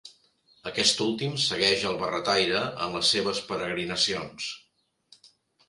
Aquest últim segueix el barretaire en les seves peregrinacions.